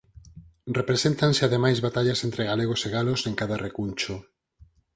Represéntanse ademais batallas entre galegos e galos en cada recuncho.